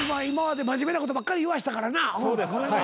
今まで真面目なことばっかり言わしたからな。